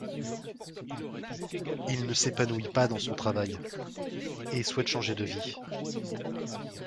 Il ne s’épanouit pas dans son travail et souhaite changer de vie.